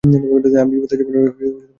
আমি বিবাহিত জীবনের অভাব বোধ করি না।